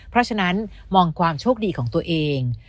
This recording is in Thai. เพราะฉะนั้นมองความโชคดีของตัวเอง